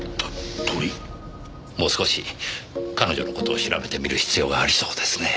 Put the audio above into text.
もう少し彼女の事を調べてみる必要がありそうですねぇ。